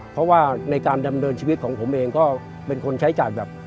เพราะว่าในการดำเนินชีวิตของผมเองก็เป็นคนใช้จ่ายแบบ